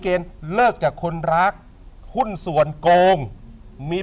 เหตุการณ์เป็นยังไง